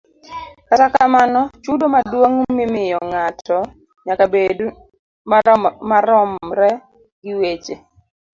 Kata kamano, chudo maduong' mimiyo ng'ato nyaka bed maromre gi weche